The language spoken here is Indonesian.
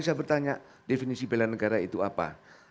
saya bertanya definisi bela negara itu apa